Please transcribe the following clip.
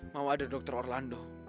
mau ada dokter orlando